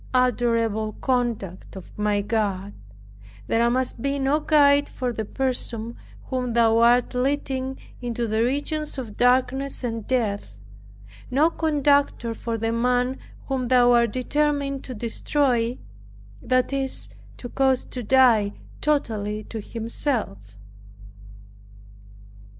Adorable conduct of my God! there must be no guide for the person whom Thou art leading into the regions of darkness and death, no conductor for the man whom thou art determined to destroy, (that is, to cause to die totally to himself).